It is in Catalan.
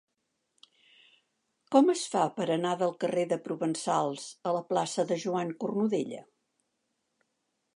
Com es fa per anar del carrer de Provençals a la plaça de Joan Cornudella?